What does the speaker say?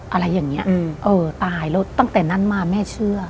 อะไรแบบนี้ตายแล้วตั้งแต่นั้นมาแม่เชื่อ